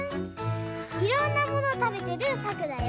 いろんなものをたべてるさくだよ。